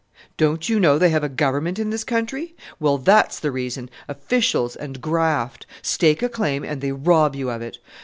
"Don't you know they have a Government in this country? Well, that's the reason: officials and graft! Stake a claim, and they rob you of it!